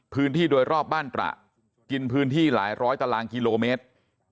พื้นที่โดยรอบบ้านตระกินพื้นที่หลายร้อยตารางกิโลเมตร